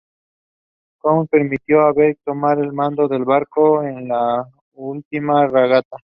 Coutts permitió a Barker tomar el mando del barco en la última regata.